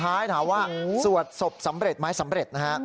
ท้ายถามว่าสวดศพสำเร็จไหมสำเร็จนะฮะ